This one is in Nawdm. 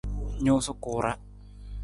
Nuusa ku ra.